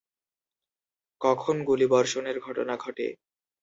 কখন গুলিবর্ষণের ঘটনা ঘটে?